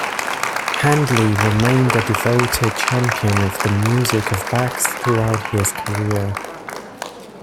Handley remained a devoted champion of the music of Bax throughout his career.